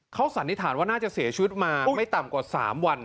เขาสันนิษฐานว่าน่าจะเสียชีวิตมาไม่ต่ำกว่า๓วัน